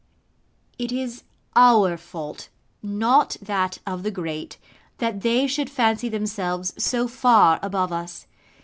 It is our fault, not that of the great, that they should fancy themselves so far above us.